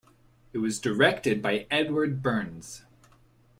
It was directed by Edward Bernds.